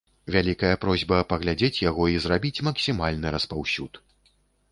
Вялікая просьба паглядзець яго і зрабіць максімальны распаўсюд.